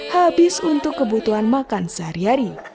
habis untuk kebutuhan makan sehari hari